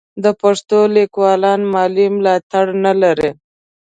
د پښتو لیکوالان مالي ملاتړ نه لري.